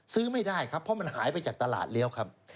ซื้อไม่ได้ครับเพราะมันหายไปจากตลาดแล้วครับ